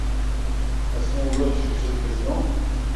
Passons au vote, monsieur le président